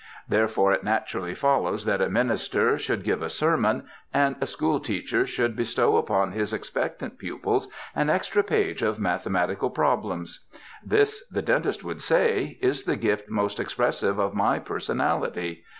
Therefore it naturally follows that a minister should give a sermon and a school teacher should bestow upon his expectant pupils an extra page of mathe matical problems. This," the dentist would say, "is the gift most expressive of my personality."